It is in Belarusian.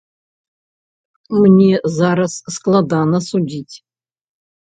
Мне зараз складана судзіць.